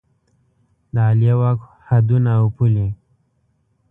د عالیه واک حدونه او پولې